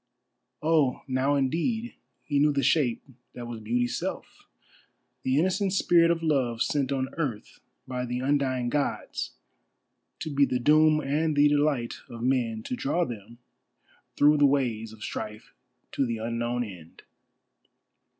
Oh, now indeed he knew the shape that was Beauty's self—the innocent Spirit of Love sent on earth by the undying Gods to be the doom and the delight of men; to draw them through the ways of strife to the unknown end.